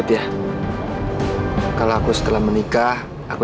quando takut ya kalau aku setelah menikah aku